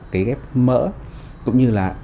cái ghép mỡ cũng như là